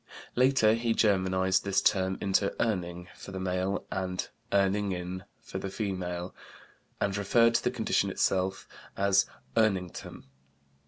Later he Germanized this term into "Urning" for the male, and "Urningin" for the female, and referred to the condition itself as "Urningtum."